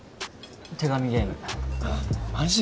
手紙ゲームマジ